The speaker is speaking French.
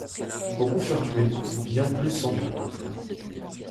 Beaucoup furent tués, bien plus s'enfuirent.